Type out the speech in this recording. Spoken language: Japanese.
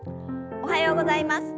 おはようございます。